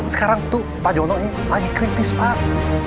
sekarang tuh pak jonto ini lagi kritis pak